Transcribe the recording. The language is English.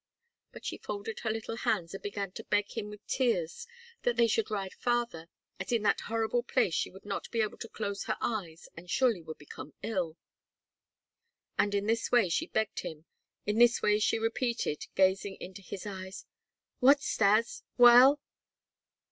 But she folded her little hands and began to beg him with tears that they should ride farther, as in that horrible place she would not be able to close her eyes and surely would become ill. And in this way she begged him, in this way she repeated, gazing into his eyes, "What, Stas? Well?"